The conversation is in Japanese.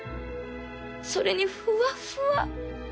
それにふわっふわ